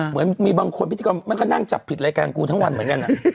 เหมือนมีบางคนพิธีกรมันก็นั่งจับผิดรายการกูทั้งวันเหมือนกัน